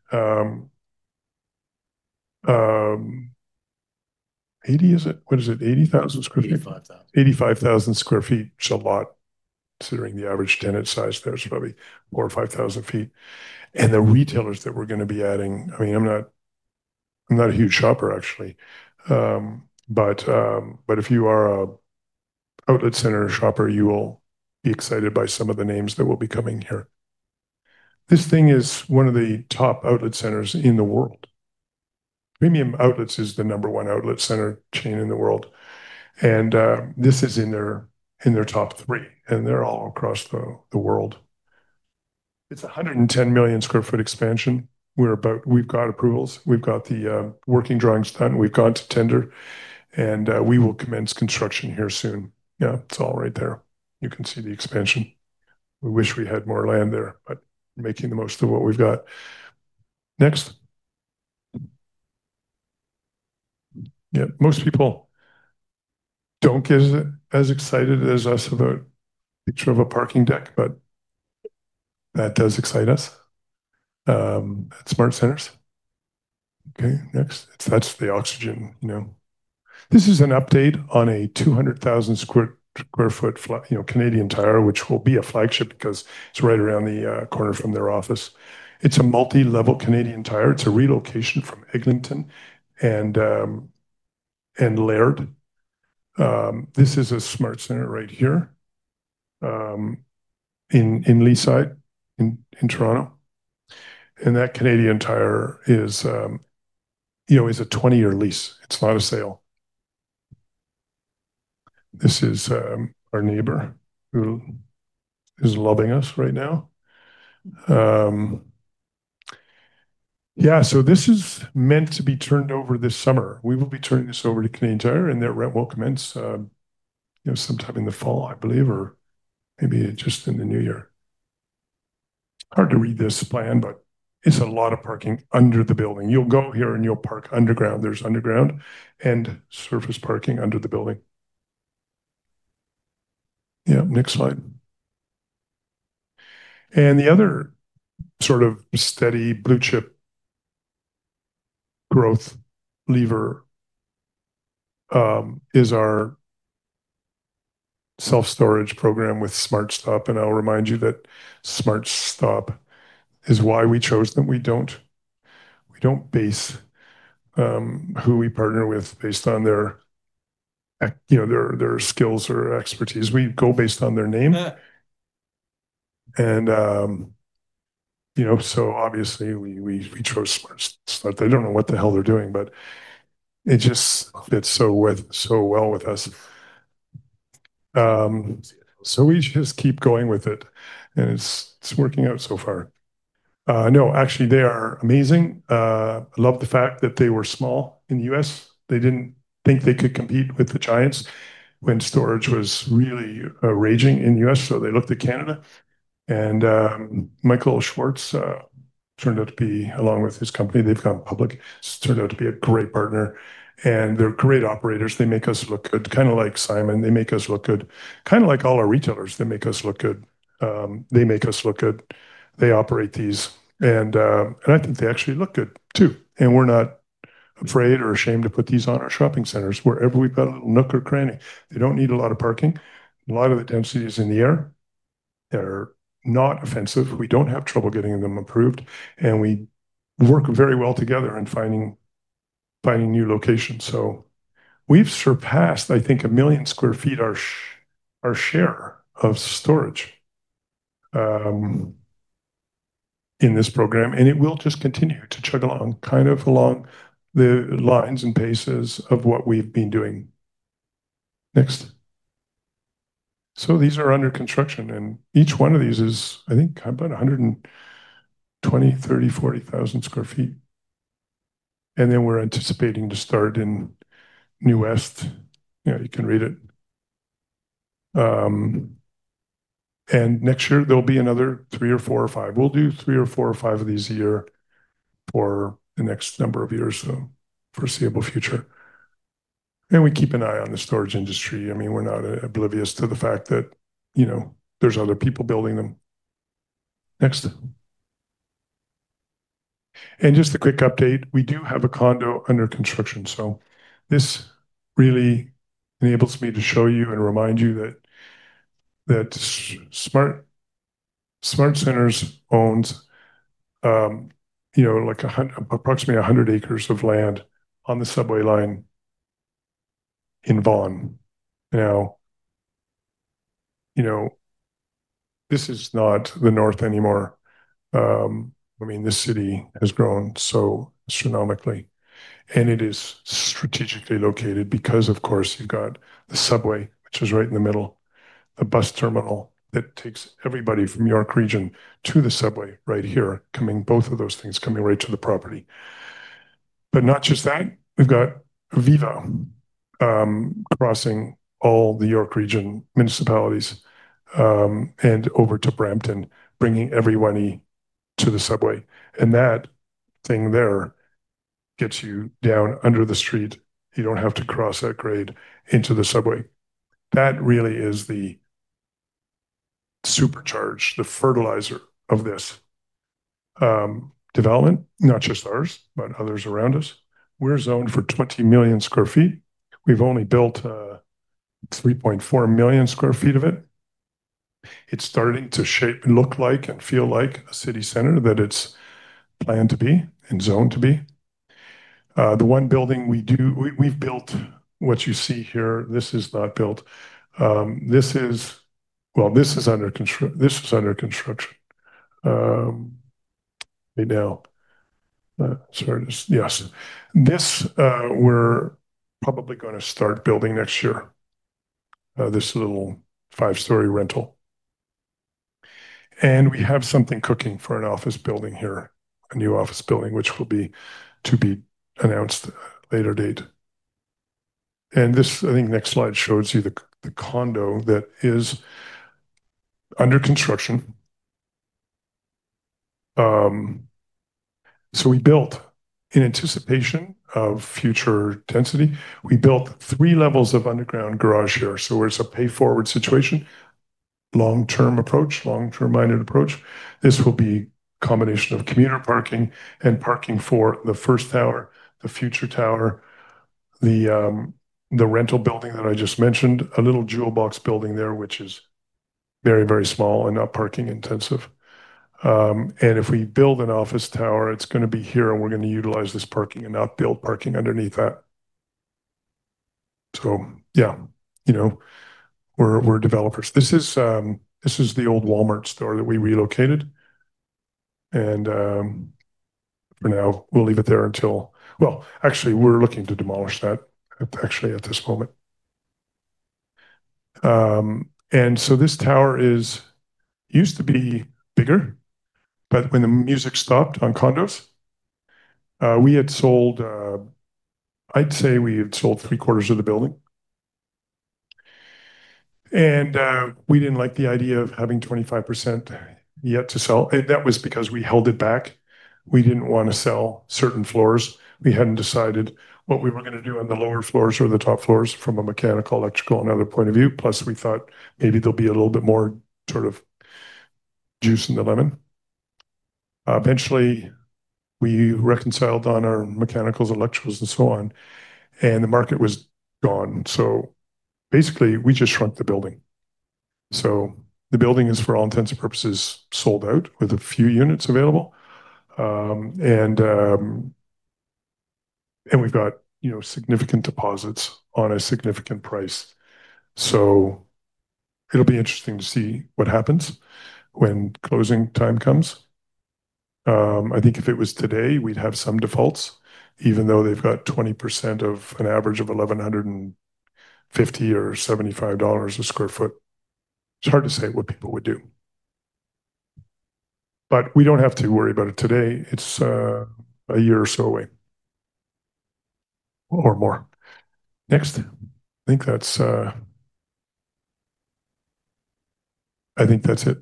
80, is it? What is it? 80,000 sq ft. 85 thousand. 85,000 sq ft. It's a lot considering the average tenant size there is probably 4,000 ft or 5,000 ft. The retailers that we're gonna be adding, I mean, I'm not a huge shopper actually. If you are a outlet center shopper, you will be excited by some of the names that will be coming here. This thing is one of the top outlet centers in the world. Premium Outlets is the number one outlet center chain in the world. This is in their top three, and they're all across the world. It's a 110 million sq ft expansion. We've got approvals. We've got the working drawings done. We've gone to tender, and we will commence construction here soon. Yeah, it's all right there. You can see the expansion. We wish we had more land there, making the most of what we've got. Next. Yeah, most people don't get as excited as us of a picture of a parking deck, that does excite us at SmartCentres. Okay, next. That's the oxygen, you know. This is an update on a 200,000 sq ft, you know, Canadian Tire, which will be a flagship because it's right around the corner from their office. It's a multi-level Canadian Tire. It's a relocation from Eglinton and Laird. This is a SmartCentre right here in Leaside in Toronto. That Canadian Tire is, you know, is a 20-year lease. It's not a sale. This is our neighbor who is lobbing us right now. Yeah, this is meant to be turned over this summer. We will be turning this over to Canadian Tire, their rent will commence, you know, sometime in the fall, I believe, or maybe just in the new year. Hard to read this plan, it's a lot of parking under the building. You'll go here, you'll park underground. There's underground and surface parking under the building. Yeah, next slide. The other sort of steady blue-chip growth lever is our self-storage program with SmartStop. I'll remind you that SmartStop is why we chose them. We don't base who we partner with based on their, you know, their skills or expertise. We go based on their name. You know, obviously we chose SmartStop. They don't know what the hell they're doing, it just fits so well with us. We just keep going with it's working out so far. No, actually, they are amazing. I love the fact that they were small in the U.S.. They didn't think they could compete with the giants when storage was really raging in the U.S., so they looked at Canada. Michael Schwartz turned out to be, along with his company, they've gone public, turned out to be a great partner. They're great operators. They make us look good. Kinda like Simon, they make us look good. Kinda like all our retailers, they make us look good. They make us look good. They operate these and I think they actually look good too. We're not afraid or ashamed to put these on our shopping centers wherever we've got a little nook or cranny. They don't need a lot of parking. A lot of the density is in the air. They're not offensive. We don't have trouble getting them approved, and we work very well together in finding new locations. We've surpassed, I think, 1 million sq ft our share of storage in this program, and it will just continue to chug along, kind of along the lines and paces of what we've been doing. Next. These are under construction, and each one of these is, I think, about 120,000 sq ft, 130,000 sq ft, 140,000 sq ft. We're anticipating to start in New West. Yeah, you can read it. Next year, there'll be another three or four or five. We'll do three or four or five of these a year for the next number of years, so foreseeable future. We keep an eye on the storage industry. I mean, we're not oblivious to the fact that, you know, there's other people building them. Next. Just a quick update, we do have a condo under construction, so this really enables me to show you and remind you that SmartCentres owns, you know, like approximately 100 acres of land on the subway line in Vaughan. You know, this is not the north anymore. I mean, this city has grown so astronomically, and it is strategically located because, of course, you've got the subway, which is right in the middle, the bus terminal that takes everybody from York Region to the subway right here, both of those things coming right to the property. Not just that, we've got Viva crossing all the York Region municipalities and over to Brampton, bringing everybody to the subway. That thing there gets you down under the street. You don't have to cross that grade into the subway. That really is the supercharge, the fertilizer of this development, not just ours, but others around us. We're zoned for 20 million sq ft. We've only built 3.4 million sq ft of it. It's starting to shape, look like and feel like a city center that it's planned to be and zoned to be. The one building we've built what you see here. This is not built. This is under construction. Right now. Sorry, just, yes. This, we're probably gonna start building next year, this little five-story rental. We have something cooking for an office building here, a new office building, which will be, to be announced at a later date. This, I think next slide shows you the condo that is under construction. We built in anticipation of future density. We built three levels of underground garage here. It's a pay-forward situation, long-term approach, long-term-minded approach. This will be a combination of commuter parking and parking for the first tower, the future tower, the rental building that I just mentioned, a little jewel box building there, which is very, very small and not parking intensive. If we build an office tower, it's gonna be here, and we're gonna utilize this parking and not build parking underneath that. Yeah. You know, we're developers. This is the old Walmart store that we relocated. For now, we'll leave it there until Well, actually, we're looking to demolish that, actually, at this moment. This tower used to be bigger, when the music stopped on condos, we had sold, I'd say we had sold three-quarters of the building. We didn't like the idea of having 25% yet to sell. That was because we held it back. We didn't wanna sell certain floors. We hadn't decided what we were gonna do on the lower floors or the top floors from a mechanical, electrical, and other point of view. Plus we thought maybe there'll be a little bit more sort of juice in the lemon. Eventually, we reconciled on our mechanicals, electricals, and so on, the market was gone. Basically, we just shrunk the building. The building is, for all intents and purposes, sold out with a few units available. We've got, you know, significant deposits on a significant price. It'll be interesting to see what happens when closing time comes. I think if it was today, we'd have some defaults, even though they've got 20% of an average of 1,150 or 1,175 dollars a sq ft. It's hard to say what people would do. We don't have to worry about it today. It's a year or so away or more. Next. I think that's it.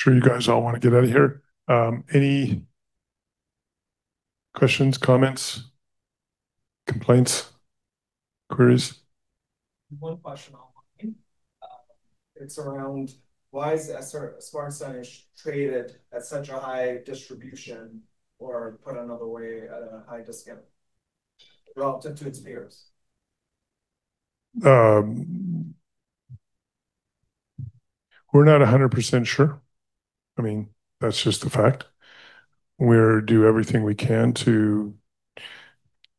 Sure you guys all wanna get out of here. Any questions, comments, complaints, queries? One question online. It's around why is SmartCentres traded at such a high distribution, or put another way, at a high discount relative to its peers? We're not 100% sure. I mean, that's just the fact. We'll do everything we can to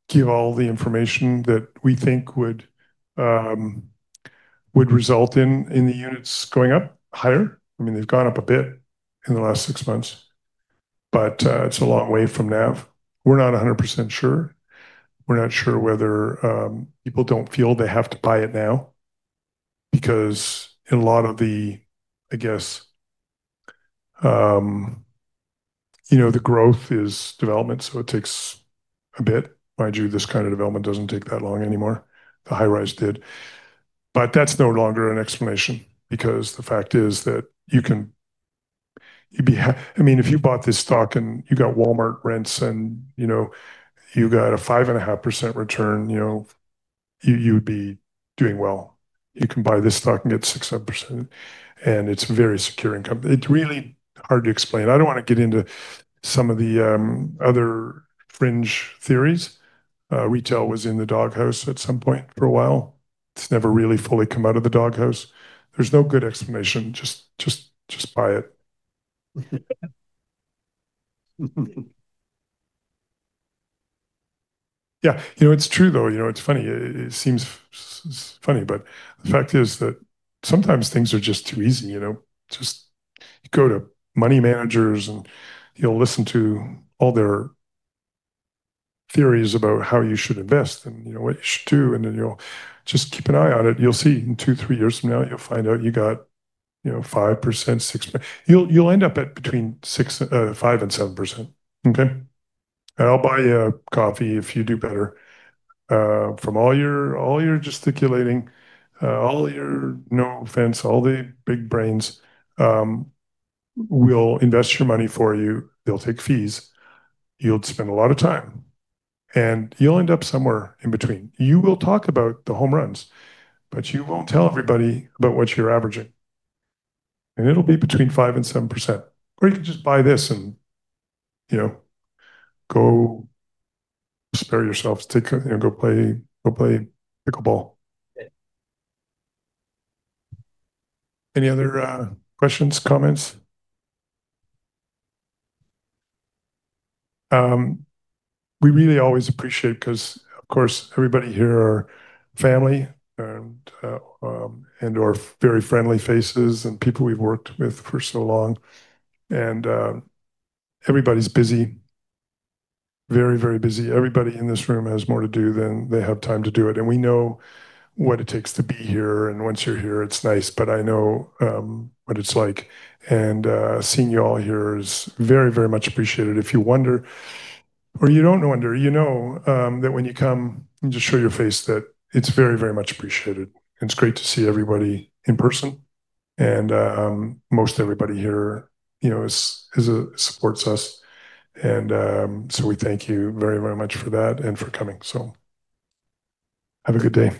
give all the information that we think would result in the units going up higher. I mean, they've gone up a bit in the last six months, but it's a long way from NAV. We're not 100% sure. We're not sure whether people don't feel they have to buy it now because in a lot of the, I guess, you know, the growth is development, so it takes a bit. Mind you, this kind of development doesn't take that long anymore. The high-rise did. That's no longer an explanation because the fact is that you can I mean, if you bought this stock and you got Walmart rents and, you know, you got a 5.5% return, you know. You'd be doing well. You can buy this stock and get 6% up, and it's very secure income. It's really hard to explain. I don't wanna get into some of the other fringe theories. Retail was in the doghouse at some point for a while. It's never really fully come out of the doghouse. There's no good explanation. Just buy it. Yeah. You know, it's true though. You know, it's funny. It seems funny, but the fact is that sometimes things are just too easy. You know? Just go to money managers, and you'll listen to all their theories about how you should invest and, you know, what you should do, and then you'll just keep an eye on it. You'll see in two, three years from now, you'll find out you got, you know, 5%, 6%, you'll end up at between 6%, 5% and 7%. Okay. I'll buy you a coffee if you do better. From all your, all your gesticulating, all your, no offense, all the big brains, will invest your money for you. They'll take fees. You'll spend a lot of time, and you'll end up somewhere in between. You will talk about the home runs, but you won't tell everybody about what you're averaging, and it'll be between 5% and 7%. You can just buy this and, you know, go spare yourself. You know, go play pickleball. Any other questions, comments? We really always appreciate 'cause, of course, everybody here are family and/or very friendly faces and people we've worked with for so long. Everybody's busy. Very, very busy. Everybody in this room has more to do than they have time to do it, and we know what it takes to be here, and once you're here, it's nice. I know what it's like, and seeing you all here is very, very much appreciated. If you wonder or you don't wonder, you know, that when you come and just show your face that it's very, very much appreciated. It's great to see everybody in person, and most everybody here, you know, supports us. We thank you very, very much for that and for coming. Have a good day.